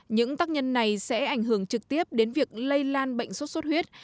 những tác nhân này sẽ ảnh hưởng trực tiếp đến việc lây lan bệnh sốt xuất huyết